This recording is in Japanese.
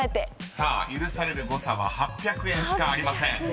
［さあ許される誤差は８００円しかありません］